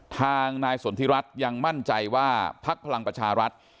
ทางนายสนทิรัฐยังมั่นใจว่าพักพลังประชารัฐ